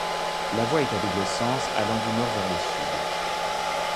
La voie est à double sens allant du nord vers le sud.